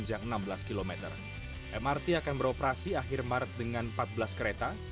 yang disubsidi berapa itu kewenangan dari tki